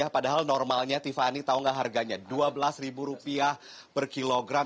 padahal normalnya tiffany tahu nggak harganya rp dua belas per kilogram